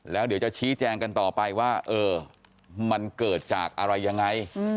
แล้วเดี๋ยวจะชี้แจงกันต่อไปว่าเออมันเกิดจากอะไรยังไง